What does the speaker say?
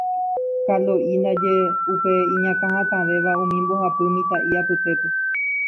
Kalo'i ndaje upe iñakãhatãvéva umi mbohapy mitã'i apytépe.